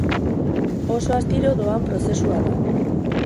Oso astiro doan prozesua da.